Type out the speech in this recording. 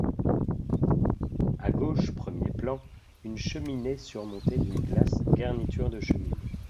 À gauche premier plan, une cheminée surmontée d’une glace garniture de cheminée .